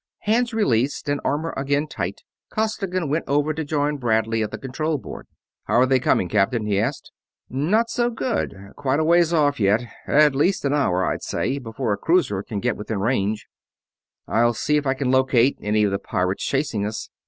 Hands released and armor again tight, Costigan went over to join Bradley at the control board. "How are they coming, Captain?" he asked. "Not so good. Quite a ways off yet. At least an hour, I'd say, before a cruiser can get within range." "I'll see if I can locate any of the pirates chasing us.